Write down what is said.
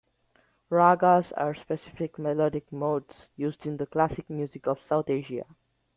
Ragas are specific melodic modes used in the classical music of South Asia.